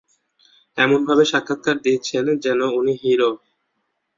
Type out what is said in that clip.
এমনভাবে সাক্ষাৎকার দিচ্ছেন যেন উনি হিরো।